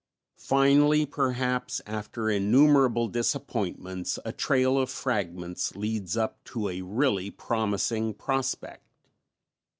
Finally perhaps, after innumerable disappointments, a trail of fragments leads up to a really promising prospect.